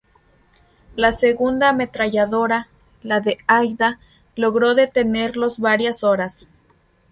La segunda ametralladora, la de Aida, logró detenerlos varias horas.